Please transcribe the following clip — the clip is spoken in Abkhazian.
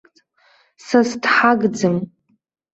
Сас дҳагӡам.